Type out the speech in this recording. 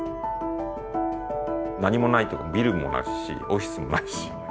何もないビルもないしオフィスもないし。